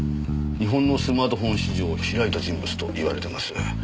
日本のスマートフォン市場を開いた人物といわれてます。